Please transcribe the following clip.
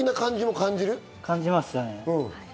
感じますね。